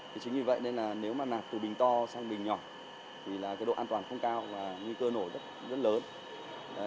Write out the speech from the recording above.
thế chính vì vậy nên là nếu mà nạp từ bình to sang bình nhỏ thì là cái độ an toàn không cao và nguy cơ nổ rất lớn